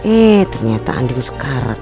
eh ternyata andin sekarat